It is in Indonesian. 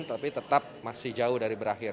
tapi tetap masih jauh dari berakhir